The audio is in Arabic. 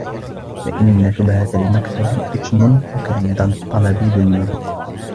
فَإِنَّ شُبْهَةَ الْمَكْسَبِ إثْمٌ وَكَدَّ الطَّلَبِ ذُلٌّ